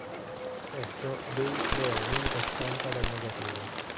Spesso Day creò un'unica stampa dal negativo.